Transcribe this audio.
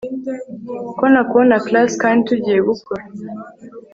ko ntakubona class kandi tugiye gukora